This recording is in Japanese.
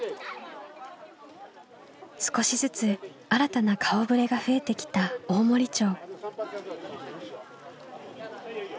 少しずつ新たな顔ぶれが増えてきた大森町。